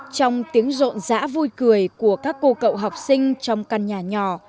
trong tiếng rộn rã vui cười của các cô cậu học sinh trong căn nhà nhỏ